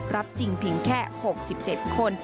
รับจริงเพียงแค่๖๗คน